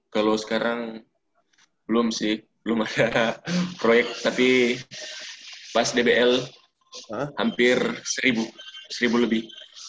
kalau sekarang belum sih belum ada proyek tapi pas dbl hampir seribu lebih